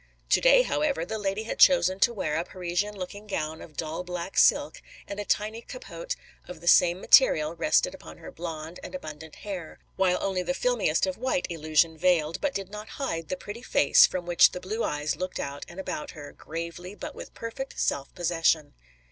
To day, however, the lady had chosen to wear a Parisian looking gown of dull black silk and a tiny capote of the same material rested upon her blonde and abundant hair, while only the filmiest of white illusion veiled, but did not hide, the pretty face from which the blue eyes looked out and about her, gravely but with perfect self possession.